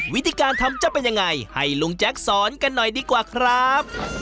วิธีการทำจะเป็นยังไงให้ลุงแจ๊คสอนกันหน่อยดีกว่าครับ